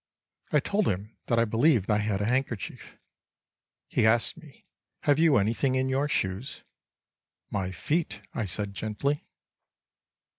I told him that I believed I had a handkerchief. He asked me: "Have you anything in your shoes?" "My feet," I said, gently.